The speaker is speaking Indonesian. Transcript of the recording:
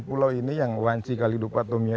pulau ini yang wanci kalidupa tomye